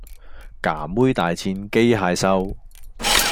㗎妹大戰機械獸